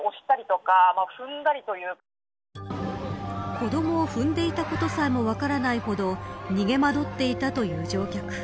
子どもを踏んでいたことさえも分からないほど逃げ惑っていたという乗客。